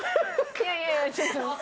いやいやちょっと。